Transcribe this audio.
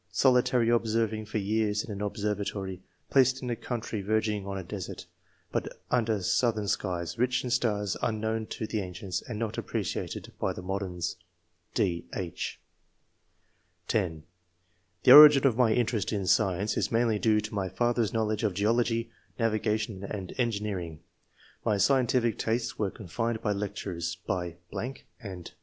Solitary observing for years in an observatory, placed in a country verging on a desert, but under southern skies, rich in stars unknown to the ancients and not appreciated by the modems." {d, h) (10) "The origin of my interest in science is mainly due to my father's knowledge of geology, navigation, and engineering. My scien tij&c tastes were confirmed by lectures, by .... and